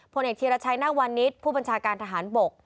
ผลเหตุเทียรชัยนางวันนิสผู้บัญชาการทหารบก